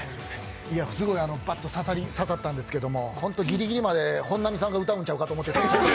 すごい、バッと刺さったんですけど本並さんが歌うんちゃうかと思って。